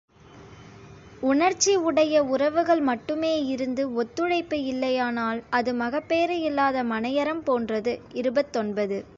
உணர்ச்சி உடைய உறவுகள் மட்டுமே இருந்து, ஒத்துழைப்பு இல்லையானால் அது மகப்பேறு இல்லாத மனையறம் போன்றது · இருபத்தொன்பது.